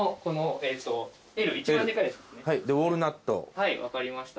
はい分かりました。